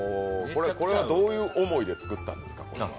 これはどういう思いで作ったんですか？